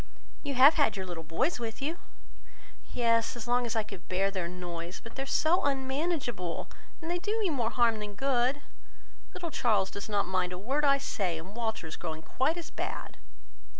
"You have had your little boys with you?" "Yes, as long as I could bear their noise; but they are so unmanageable that they do me more harm than good. Little Charles does not mind a word I say, and Walter is growing quite as bad."